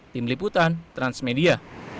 tim liputan transmedia